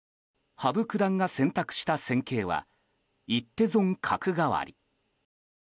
羽生九段が選択した戦型は一手損角換わり。